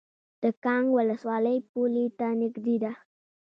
د کانګ ولسوالۍ پولې ته نږدې ده